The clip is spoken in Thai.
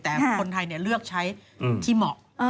แต่คนไทยเลือกใช้ที่เหมาะ